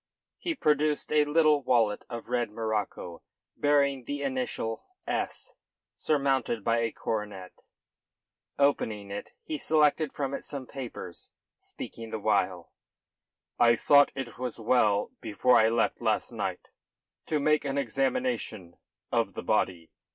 He produced a little wallet of red morocco bearing the initial "S" surmounted by a coronet. Opening it, he selected from it some papers, speaking the while. "I thought it as well before I left last night to make an examination of the body.